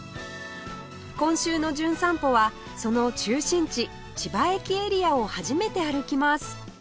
今週の『じゅん散歩』はその中心地千葉駅エリアを初めて歩きます